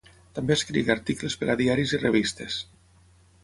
També escrigué articles per a diaris i revistes.